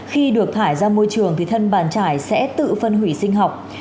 khi được thải ra môi trường thì thân bàn trải sẽ tự phân hủy sinh học